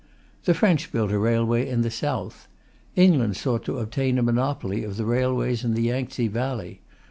The French built a railway in the south. England sought to obtain a monopoly of the railways in the Yangtze valley.